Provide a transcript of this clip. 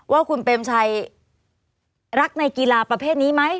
ว่าคุณเปรมชัยรักในกีฬาประเภทนี้ไหม